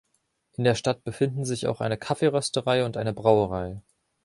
In der Stadt befinden sich auch eine Kaffeerösterei und eine Brauerei.